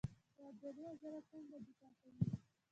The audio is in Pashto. د عدلیې وزارت څنګه دفاع کوي؟